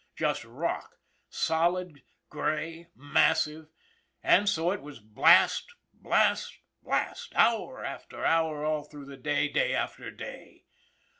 Just rock, solid, gray, massive; and so it was blast, blast, blast, hour after hour all through the day, day after day.